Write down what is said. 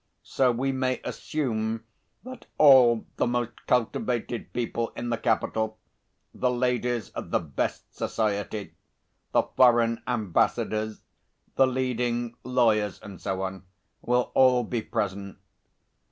So we may assume that all the most cultivated people in the capital, the ladies of the best society, the foreign ambassadors, the leading lawyers and so on, will all be present.